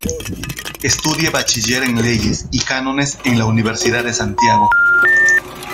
Estudia bachiller en leyes y cánones en la Universidad de Santiago.